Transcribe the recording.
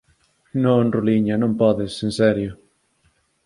Non, ruliña, non podes, en serio.